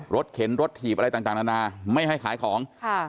เข็นรถถีบอะไรต่างนานาไม่ให้ขายของ